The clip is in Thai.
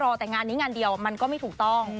แต่งานนี้งานเดียวมันก็ไม่ถูกต้อง